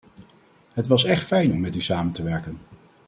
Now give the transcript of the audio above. Het was echt fijn om met u samen te werken.